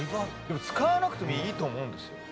使わなくてもいいと思うんですよ。